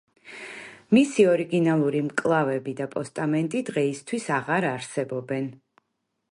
მისი ორიგინალური მკლავები და პოსტამენტი დღეისთვის აღარ არსებობენ.